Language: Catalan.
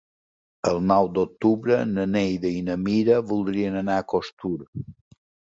El nou d'octubre na Neida i na Mira voldrien anar a Costur.